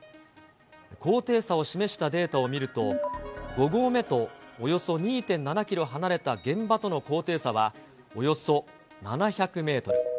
高低差を示したデータを見ると、５合目と、およそ２．７キロ離れた現場との高低差はおよそ７００メートル。